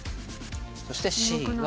そしてＣが。